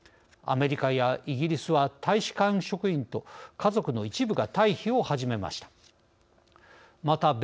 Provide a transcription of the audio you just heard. アメリカやイギリスは大使館職員と家族の一部が退避を始めました。